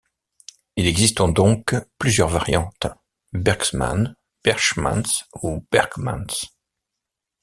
Il existe donc plusieurs variantes: Berckmans, Berchmans ou Berghmans.